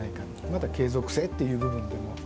また継続性っていう部分でも。